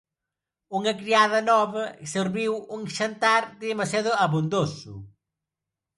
Unha criada nova serviu un xantar demasiado abondoso.